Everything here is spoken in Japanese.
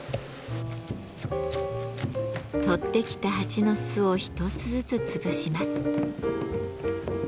採ってきた蜂の巣を１つずつ潰します。